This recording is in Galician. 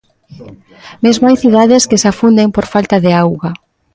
Mesmo hai cidades que se afunden por falta de auga.